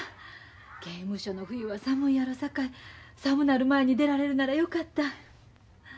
刑務所の冬は寒いやろさかい寒なる前に出られるならよかった。